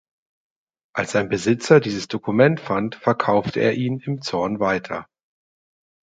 Als sein Besitzer dieses Dokument fand, verkaufte er ihn im Zorn weiter.